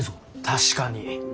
確かに。